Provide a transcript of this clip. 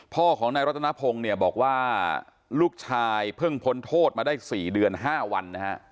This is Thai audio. พ่อของนายรัตนพงศ์เนี่ยบอกว่าลูกชายเพิ่งพ้นโทษมาได้๔เดือน๕วันนะฮะ